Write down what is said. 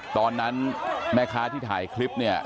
ตอนนั้นแม่ค้าที่ถ่ายคลิปเนี่ย